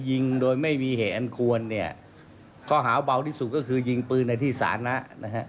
ยิงโดยไม่มีเหตุอันควรเนี่ยข้อหาเบาที่สุดก็คือยิงปืนในที่สานะนะฮะ